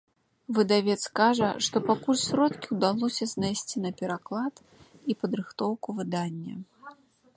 Выдавец кажа, што пакуль сродкі ўдалося знайсці на пераклад і падрыхтоўку выдання.